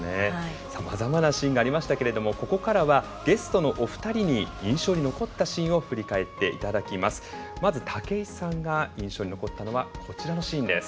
さまざまなシーンがありましたけどもここからはゲストのお二人に印象に残ったシーンを振り返っていただきます。